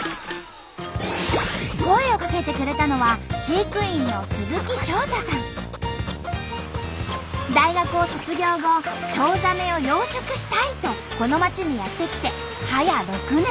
声をかけてくれたのは飼育員の大学を卒業後チョウザメを養殖したいとこの町にやって来て早６年。